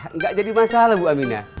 enggak jadi masalah bu aminah